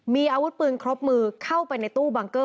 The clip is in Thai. มีอาวุธปืนครบมือเข้าไปในตู้บังเกอร์